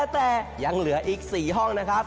แต่ยังเหลืออีก๔ห้องนะครับ